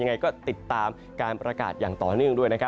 ยังไงก็ติดตามการประกาศอย่างต่อเนื่องด้วยนะครับ